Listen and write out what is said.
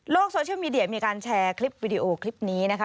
โซเชียลมีเดียมีการแชร์คลิปวิดีโอคลิปนี้นะคะ